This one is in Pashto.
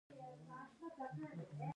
د شولګرې وريجې مشهورې دي